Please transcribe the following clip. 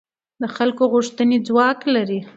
د خلکو غوښتنې ځواک لري